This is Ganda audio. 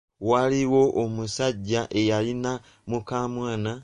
Waaliwo omusajja eyalina mukamwana.